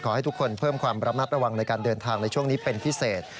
ขอให้ทุกคนเพิ่มความระมัดระวังในการเดินทางในช่วงนี้เป็นพิเศษ